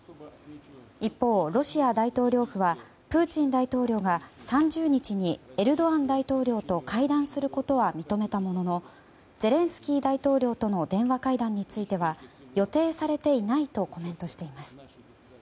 一方、ロシア大統領府はプーチン大統領が３０日にエルドアン大統領と会談することは認めたもののゼレンスキー大統領との電話会談については予定されていないとコメントしています。